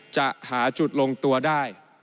จะหาจุดลงตัวได้